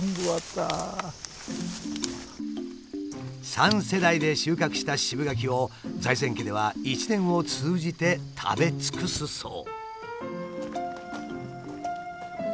３世代で収穫した渋柿を財前家では一年を通じて食べ尽くすそう。